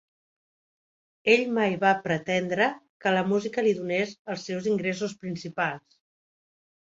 Ell mai va pretendre que la música li donés els seus ingressos principals.